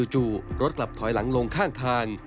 จู่รถกลับถอยหลังลงข้างทาง